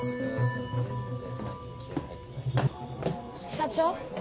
社長。